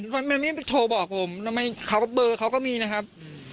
มันไม่โทรบอกผมทำไมเขาก็เบอร์เขาก็มีนะครับ